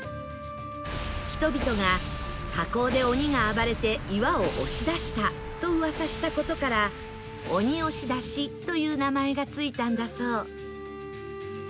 人々が火口で鬼が暴れて岩を押し出したと噂した事から「鬼押出し」という名前が付いたんだそう